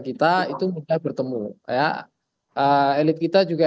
kita itu mudah bertemu ya elit kita juga